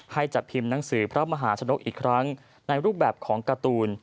จัดพิมพ์หนังสือพระมหาชนกอีกครั้งในรูปแบบของการ์ตูน